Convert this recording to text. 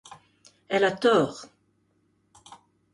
Elle a tort.